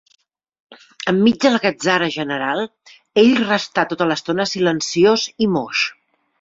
Enmig de la gatzara general, ell restà tota l'estona silenciós i moix.